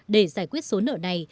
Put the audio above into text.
để giải quyết số nợ này